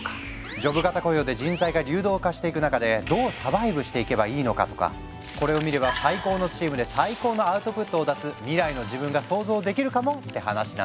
ジョブ型雇用で人材が流動化していく中でどうサバイブしていけばいいのか？とかこれを見れば最高のチームで最高のアウトプットを出す未来の自分が想像できるかも⁉って話なんですよ。